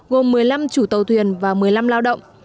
gồm một mươi năm chủ tàu thuyền và một mươi năm lao động